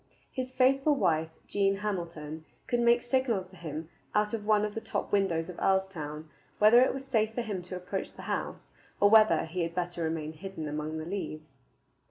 His faithful wife, Jean Hamilton, could make signals to him out of one of the top windows of Earlstoun whether it was safe for him to approach the house, or whether he had better remain hidden among the leaves.